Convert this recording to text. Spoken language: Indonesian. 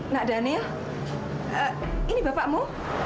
nak daniel ini bapakmu